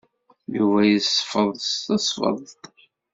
Yuba yesfeḍ s tesfeḍt.